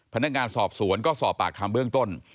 พนักงานสอบสวนก็สอบปากคำเบื้องต้น